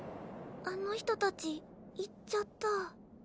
あの人たち行っちゃった。